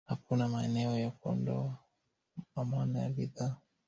Hakuna maeneo ya kuondoa amana ya bidhaa